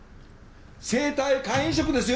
生体肝移植ですよ。